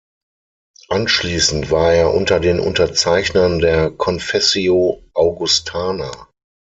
Anschließend war er unter den Unterzeichnern der Confessio Augustana.